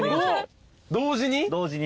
同時に？